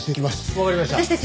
わかりました。